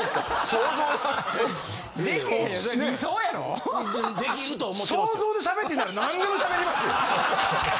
想像でしゃべってるんなら何でもしゃべりますよ。